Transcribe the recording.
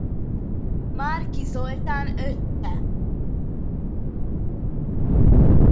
Márki Zoltán öccse.